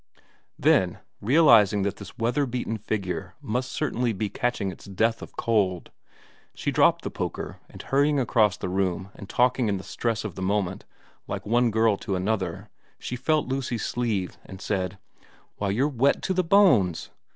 Then, realising that this weather beaten figure must certainly be catching its death of cold, she dropped the poker and hurrying across the room and talking in the stress of the moment like one girl to another, she felt Lucy's sleeve and said, ' Why, you're wet to the bones.